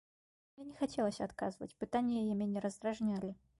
Мне не хацелася адказваць, пытанні яе мяне раздражнялі.